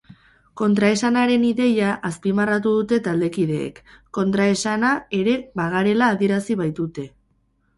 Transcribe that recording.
Kontraesanaren ideia azpimarratu dute taldekideek, kontraesana ere bagarela adierazi baitute.